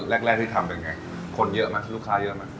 แล้วตอนแรกที่ทำเป็นยังไงคนเยอะมากลูกค้าเยอะมาก